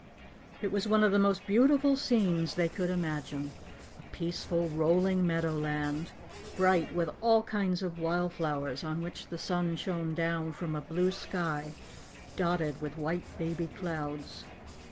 It was one of the most beautiful scenes they could imagine: a peaceful, rolling meadowland, bright with all kinds of wild flowers on which the sun shown down from a blue sky dotted with white, baby clouds.